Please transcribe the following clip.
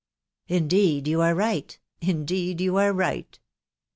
" Indeed you are right !•... indeed you are right